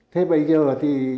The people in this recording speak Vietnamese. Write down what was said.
thế bây giờ thì